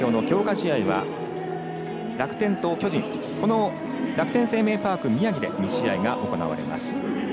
試合は楽天と巨人この楽天生命パーク宮城で２試合が行われます。